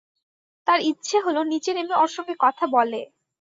তার ইচ্ছা হল নিচে নেমে ওর সঙ্গে কথা বলে।